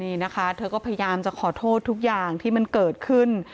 นี่นะคะเธอก็พยายามจะขอโทษทุกอย่างที่มันเกิดขึ้น